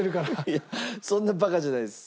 いやそんなバカじゃないです。